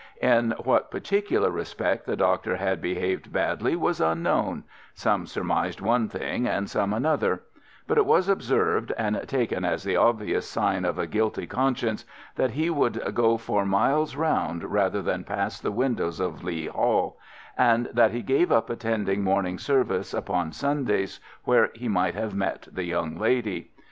In what particular respect the doctor had behaved badly was unknown—some surmised one thing and some another; but it was observed, and taken as the obvious sign of a guilty conscience, that he would go for miles round rather than pass the windows of Leigh Hall, and that he gave up attending morning service upon Sundays where he might have met the young lady.